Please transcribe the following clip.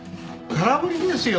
空振りですよ